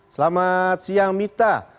selamat siang mita